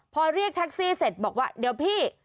พอเรียกแท็กซี่เสร็จบอกว่าเดี๋ยวพี่